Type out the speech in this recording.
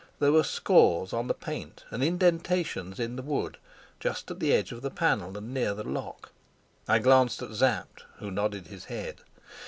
There were scores on the paint and indentations in the wood, just at the edge of the panel and near the lock. I glanced at Sapt, who nodded his head.